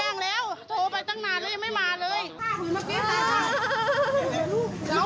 เย็นนีอยู่ไหน